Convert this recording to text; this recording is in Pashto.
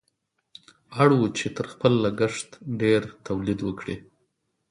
اړ وو چې تر خپل لګښت ډېر تولید وکړي.